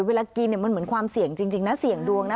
เวลากินมันเหมือนความเสี่ยงจริงนะเสี่ยงดวงนะ